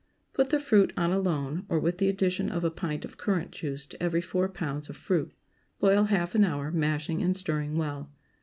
Put the fruit on alone, or with the addition of a pint of currant juice to every four pounds of fruit. Boil half an hour, mashing and stirring well.